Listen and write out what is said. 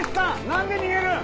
何で逃げるん？